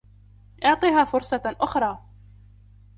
أعطِها فرصة أخرى.